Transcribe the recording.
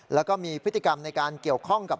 แล้วก็มีพฤติกรรมในการเกี่ยวข้องกับ